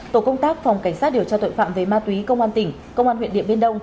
tổ công tác phòng cảnh sát điều tra tội phạm về ma túy công an tỉnh công an huyện điện biên đông